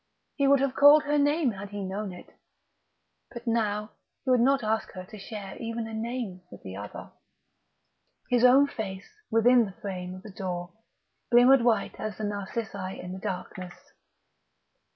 He would have called her name had he known it but now he would not ask her to share even a name with the other.... His own face, within the frame of the door, glimmered white as the narcissi in the darkness....